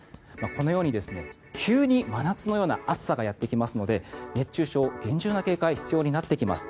このように急に真夏のような暑さがやってきますので熱中症、厳重な警戒が必要になってきます。